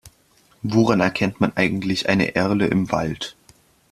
Woran erkennt man eigentlich eine Erle im Wald?